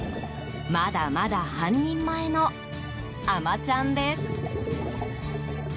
まだまだ半人前の海女ちゃんです。